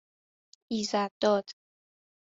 ایزدداد